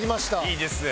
いいですね。